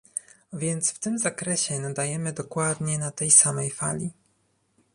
Więc w tym zakresie nadajemy dokładnie na tej samej fali